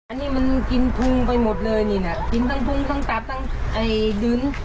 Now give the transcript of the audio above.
อันนี้มันกินพุงไปหมดเลยนี่น่ะกินทั้งพุงทั้งตับทั้งไอ้ดิน